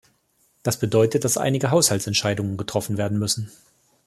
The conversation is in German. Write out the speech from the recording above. Das bedeutet, dass einige Haushaltsentscheidungen getroffen werden müssen.